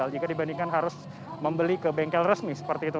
jika dibandingkan harus membeli ke bengkel resmi seperti itu